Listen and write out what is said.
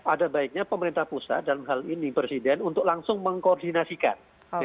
ada baiknya pemerintah pusat dalam hal ini presiden untuk langsung mengkoordinasikan